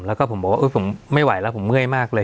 แล้วก็ผมบอกว่าผมไม่ไหวแล้วผมเมื่อยมากเลย